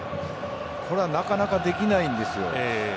これはなかなかできないんですよ。